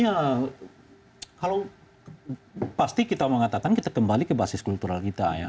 ya kalau pasti kita mengatakan kita kembali ke basis kultural kita ya